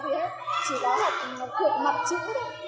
chỉ có học thuộc mặt chữ thôi